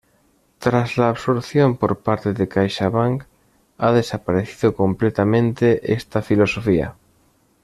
Tras la absorción por parte de CaixaBank, ha desaparecido completamente esta filosofía.